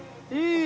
いい！